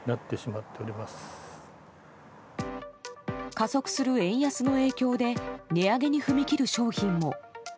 加速する円安の影響で値上げに踏み切る商品も。